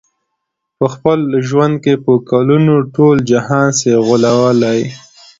په خپل ژوند کي په کلونو، ټول جهان سې غولولای